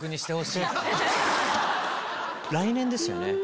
来年ですよね？